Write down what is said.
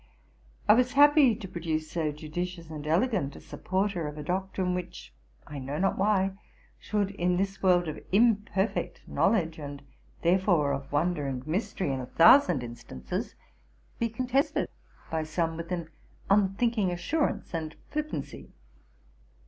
I was happy to produce so judicious and elegant a supporter of a doctrine, which, I know not why, should, in this world of imperfect knowledge, and, therefore, of wonder and mystery in a thousand instances, be contested by some with an unthinking assurance and flippancy.